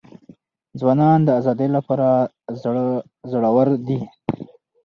ځوانان د ازادۍ لپاره زړه ور دي.